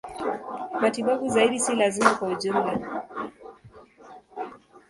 Matibabu zaidi si lazima kwa ujumla.